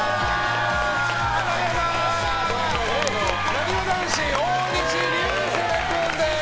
なにわ男子、大西流星君です！